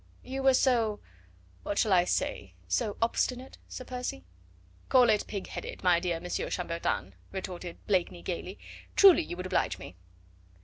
"You were so what shall I say so obstinate, Sir Percy?" "Call it pig headed, my dear Monsieur Chambertin," retorted Blakeney gaily, "truly you would oblige me."